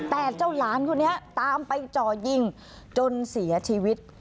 แต่เจ้าหลานคนนี้ตามไปจ่อยิงจนเสียชีวิต